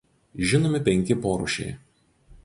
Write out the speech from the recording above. Žinomi penki porūšiai.